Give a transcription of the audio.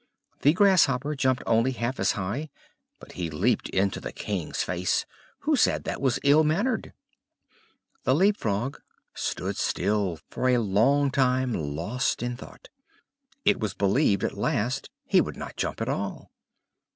The Grasshopper jumped only half as high; but he leaped into the King's face, who said that was ill mannered. The Leap frog stood still for a long time lost in thought; it was believed at last he would not jump at all.